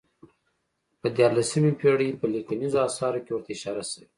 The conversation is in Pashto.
په دیارلسمې پېړۍ په لیکنیزو اثارو کې ورته اشاره شوې.